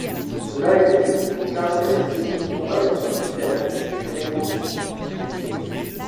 Cela était dû aux caractéristiques de propagation différentes des fréquences utilisées.